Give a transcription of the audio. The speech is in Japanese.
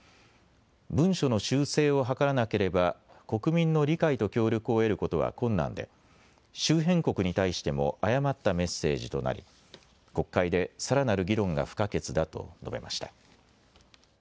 文書の修正を図らなければ国民の理解と協力を得ることは困難で周辺国に対しても誤ったメッセージとなり国会でさらなる議論が不可欠だと述べました。